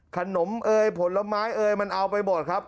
เอมเอยผลไม้เอ่ยมันเอาไปหมดครับ